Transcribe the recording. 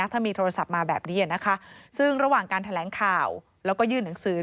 ถ้ามีโทรศัพท์มาแบบนี้นะคะซึ่งระหว่างการแถลงข่าวแล้วก็ยื่นหนังสือ